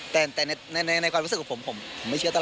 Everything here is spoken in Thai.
แต่ในความรู้สึกของผมผมไม่เชื่อตลอด